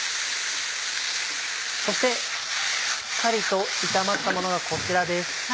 そしてしっかりと炒まったものがこちらです。